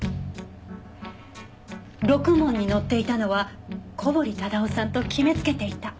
ろくもんに乗っていたのは小堀忠夫さんと決めつけていた。